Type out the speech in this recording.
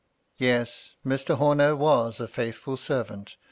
Yes ! Mr. Homer was a faithful servant.